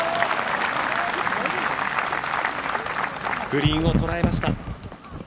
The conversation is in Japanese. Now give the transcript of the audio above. グリーンを捉えました。